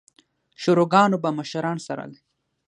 شوراګانو به مشران څارل